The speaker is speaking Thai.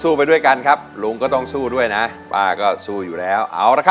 สู้ไปด้วยกันครับลุงก็ต้องสู้ด้วยนะป้าก็สู้อยู่แล้ว